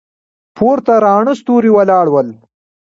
پورته راڼه ستوري ولاړ ول.